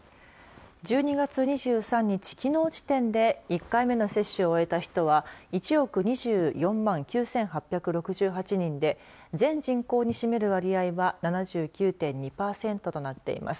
１２月２３日、きのう時点で１回目の接種を終えた人は１億２４万９８６８人で全人口に占める割合は７９．２パーセントとなっています。